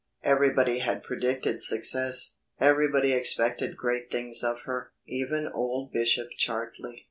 Everybody had predicted success, everybody expected great things of her, even old Bishop Chartley.